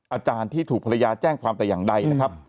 อาจารย์ที่ถูกภรรยาแจ้งความแต่อย่างใดนะครับ